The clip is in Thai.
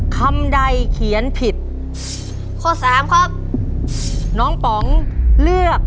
สมัยข้อกลุ้ม